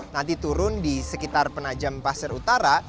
nanti turun di sekitar penajam pasir utara